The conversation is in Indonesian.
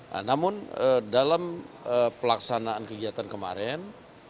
nah namun dalam pelaksanaan kegiatan kemarin